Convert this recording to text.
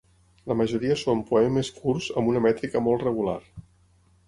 La majoria són poemes curts amb una mètrica molt regular.